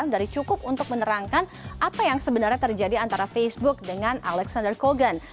dari cukup untuk menerangkan apa yang sebenarnya terjadi antara facebook dengan alexander kogan